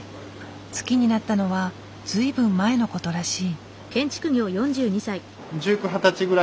好きになったのは随分前のことらしい。